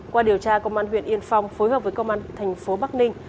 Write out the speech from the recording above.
qua điều tra công an huyện yên phong phối hợp với công an thành phố bắc ninh